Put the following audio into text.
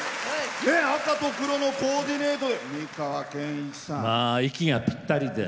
赤と黒のコーディネートで。